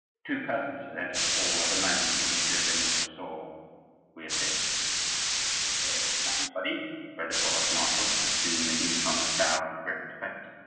Two personages entered the hall at the moment when Monsieur de Montresor reappeared. "Hey, nothing ready!" cried the provost marshal, to whom the new comers bowed with great respect.